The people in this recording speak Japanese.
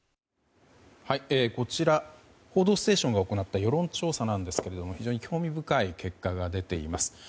こちら「報道ステーション」が行った世論調査なんですが非常に興味深い結果が出ています。